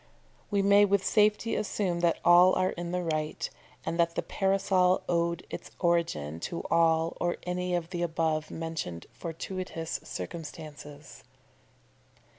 we may with safety assume that all are in the right, and that the Parasol owed its origin to all or any of the above mentioned fortuitous circumstances.